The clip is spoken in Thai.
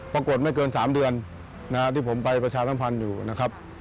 ปรากฏไม่เกิน๓เดือนที่ผมไปประชาสัมพันธ์อยู่นะครับ